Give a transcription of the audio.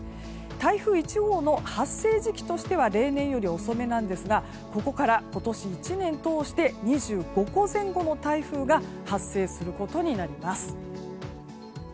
台風１号の発生時期としては例年より遅めなんですがここから今年１年通して２５個前後の台風が発生することになります。